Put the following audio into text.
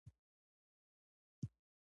دا معنی دې پوه وي چې موږ مفارقت ستاسو.